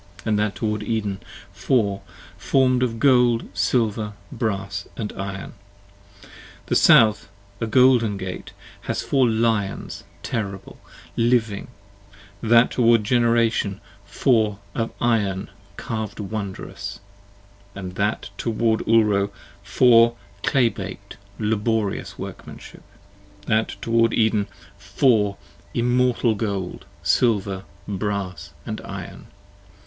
13 AND that toward Eden, four, form'd of gold, silver, brass, & iron. The South, a golden Gate, has four Lions terrible, living: That toward Generation, four, of iron carv'd wondrous: That toward Ulro, four, clay bak'd, laborious workmanship : 5 That toward Eden, four, immortal gold, silver, brass & iron.